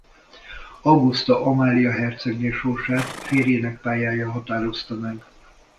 Auguszta Amália hercegné sorsát férjének pályája határozta meg.